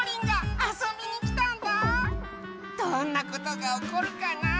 どんなことがおこるかな？